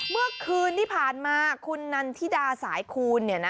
เมื่อคืนที่ผ่านมาคุณนันทิดาสายคูณ